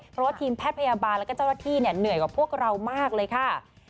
เพราะว่าทีมแพทย์พยาบาลแล้วก็เจ้าหน้าที่เหนื่อยกว่าพวกเรามากเลยค่ะ